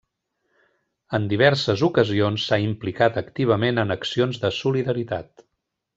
En diverses ocasions s'ha implicat activament en accions de solidaritat.